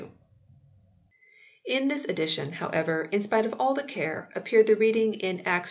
In this edition, however, in spite of all the care, appeared the reading in Acts vi.